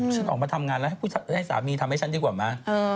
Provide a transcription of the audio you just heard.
ฉันออกมาทำงานแล้วให้สามีทำให้ฉันดีกว่าไหม